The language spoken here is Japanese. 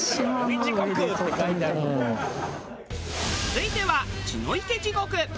続いては血の池地獄。